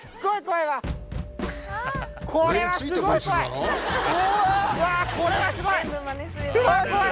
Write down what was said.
これはすごい。